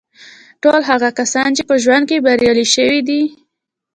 ټول هغه کسان چې په ژوند کې بریالي شوي دي